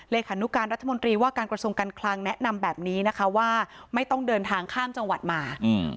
ขานุการรัฐมนตรีว่าการกระทรวงการคลังแนะนำแบบนี้นะคะว่าไม่ต้องเดินทางข้ามจังหวัดมา